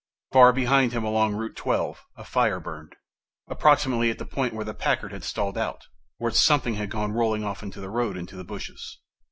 Far behind him along Route Twelve, a fire burned. Approximately at the point where the Packard had stalled out, where something had gone rolling off the road into the bushes....